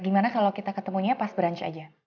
gimana kalau kita ketemunya pas brunch aja